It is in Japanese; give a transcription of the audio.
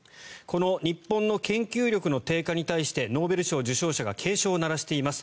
この日本の研究力の低下に対してノーベル受賞者が警鐘を鳴らしています。